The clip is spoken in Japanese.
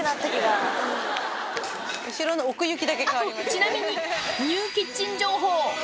ちなみにニューキッチン情報。